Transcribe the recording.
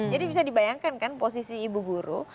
jadi bisa dibayangkan kan posisi ibu guru